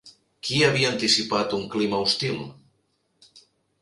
Qui havia anticipat un clima hostil?